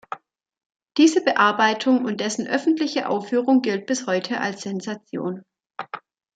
Diese Bearbeitung und dessen öffentliche Aufführung gilt bis heute als Sensation.